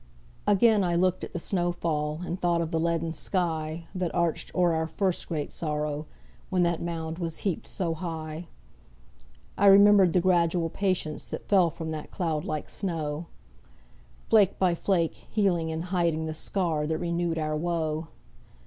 Again I looked at the snow fall, And thought of the leaden sky That arched o'er our first great sorrow, When that mound was heaped so high. I remembered the gradual patience That fell from that cloud like snow, Flake by flake, healing and hiding The scar that renewed our woe.